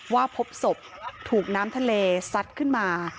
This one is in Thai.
พบศพถูกน้ำทะเลซัดขึ้นมา